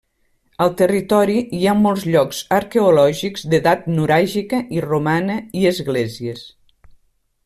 Al territori hi ha molts llocs arqueològics d'edat nuràgica i romana i esglésies.